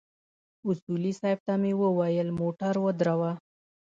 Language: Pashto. اصولي صیب ته مو وويل موټر ودروه.